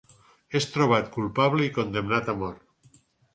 És trobat culpable i condemnat a mort.